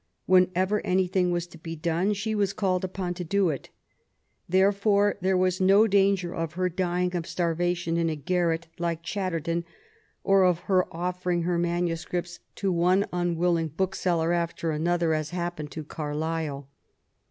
Whenever anything was to be done she was called upon to do it. Therefore, there was no danger of her dying of starvation in a garret, like Chatterton, or of her offering her manuscripts to one 70 MABY W0LL8T0NEGBAFT GODWIN. unwilling bookseller after another^ as happeued to Carlyle.